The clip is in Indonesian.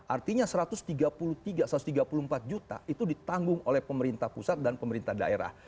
artinya satu ratus tiga puluh tiga satu ratus tiga puluh empat juta itu ditanggung oleh pemerintah pusat dan pemerintah daerah